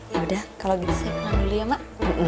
yaudah kalau gitu saya pulang dulu ya mak